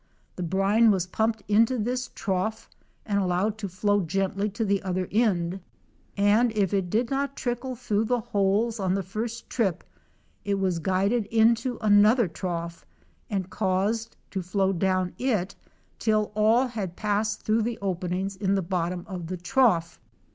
The brine was pumped into this trough and allowed to flow gently to the other end, and if it did not all trickle through the holes on the first trip it was guided into another trough and caused to flow down it till all had passed through the openings in the bot tom of the trough.